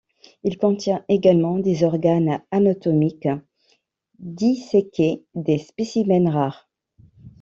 Il contient également des organes anatomiques disséqués, des spécimens rares.